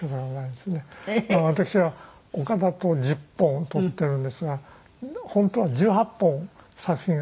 私は岡田と１０本撮ってるんですが本当は１８本作品があるんですね。